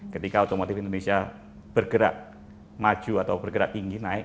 ketika otomotif indonesia bergerak maju atau bergerak tinggi naik